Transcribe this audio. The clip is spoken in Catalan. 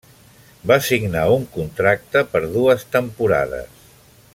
Va signar un contracte per dues temporades.